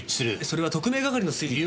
それは特命係の推理。